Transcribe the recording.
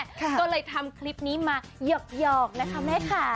ก็เลยทำคลิปนี้มาหยอกนะคะแม่ค่ะ